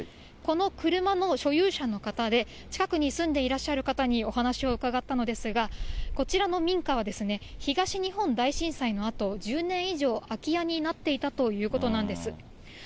この車の所有者の方で、近くに住んでいらっしゃる方にお話を伺ったのですが、こちらの民家は東日本大震災のあと、１０年以上、空き家になっていたということなんです。